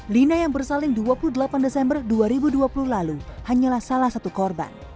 lina yang bersaling dua puluh delapan desember dua ribu dua puluh lalu hanyalah salah satu korban